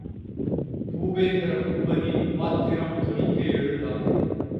பூபேந்திர பூபதி ஆத்திரம் தொனிக்க எழுந்தார்.